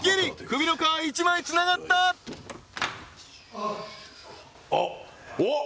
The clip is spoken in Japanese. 首の皮一枚つながったあっおっ！